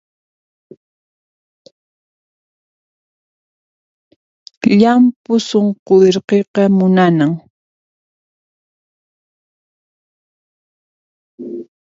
Llampu sunqu irqiqa munanan